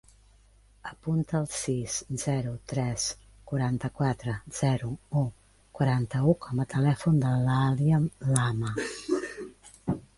Apunta el sis, zero, tres, quaranta-quatre, zero, u, quaranta-u com a telèfon de l'Alia Lama.